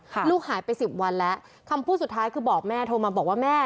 ลูกหายไปสิบวันแล้วคำพูดสุดท้ายคือบอกแม่โทรมาบอกว่าแม่